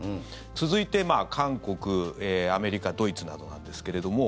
続いて、韓国、アメリカドイツなどなんですけれども。